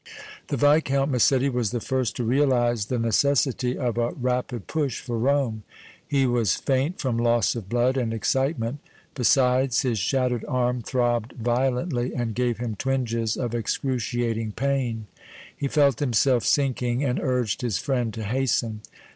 The Viscount Massetti was the first to realize the necessity of a rapid push for Rome. He was faint from loss of blood and excitement; besides, his shattered arm throbbed violently and gave him twinges of excruciating pain. He felt himself sinking and urged his friend to hasten.